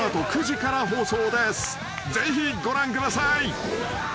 ［ぜひご覧ください］